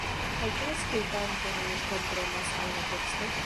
Kaj ke aŭskultanto ne komprenas al la teksto?